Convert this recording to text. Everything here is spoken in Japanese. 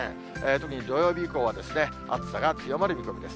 特に土曜日以降は、暑さが強まる見込みです。